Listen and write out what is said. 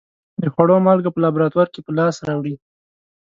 د خوړو مالګه په لابراتوار کې په لاس راوړي.